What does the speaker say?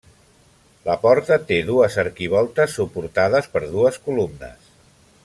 La porta té dues arquivoltes suportades per dues columnes.